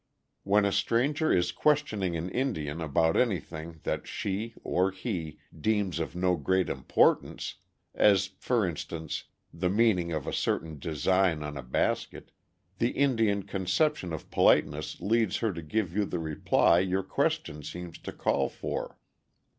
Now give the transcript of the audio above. When a stranger is questioning an Indian about anything that she (or he) deems of no great importance, as, for instance, the meaning of a certain design on a basket, the Indian conception of politeness leads her to give you the reply your question seems to call for.